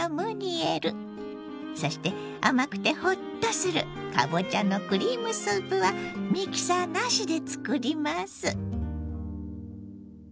そして甘くてホッとするかぼちゃのクリームスープはミキサーなしで作ります！